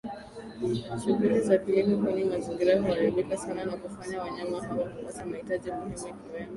shughuli za kilimo kwani mazingira huaribika sana nakufanya wanyama hawa kukosa mahitaji muhimu ikiwemo